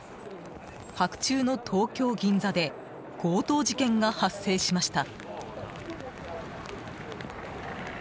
白昼の東京・銀座で強盗事件が発生しました。